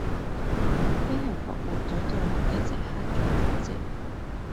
飛行服務隊隊員一直克盡厥職